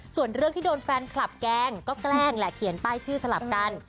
ส่วนเรื่องที่โดนแฟนคลับแกล้งก็แกล้งแหละเขียนป้ายชื่อสลับกัน